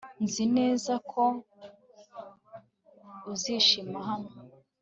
Nzi neza ko uzishima hano